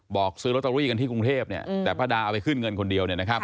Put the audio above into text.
บอกซื้อลอตเตอรี่กันที่กรุงเทพแต่ป้าดาเอาไปขึ้นเงินคนเดียว